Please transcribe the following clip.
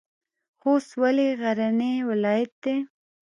خوست ولې غرنی ولایت دی؟